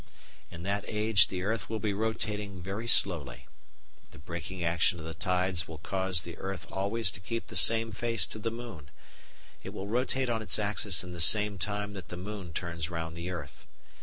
In that age the earth will be rotating very slowly. The braking action of the tides will cause the earth always to keep the same face to the moon; it will rotate on its axis in the same time that the moon turns round the earth.